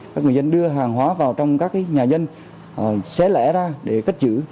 các người dân đưa hàng hóa vào trong các nhà dân xé lẻ ra để cất giữ